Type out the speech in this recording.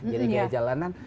jadi gaya jalanan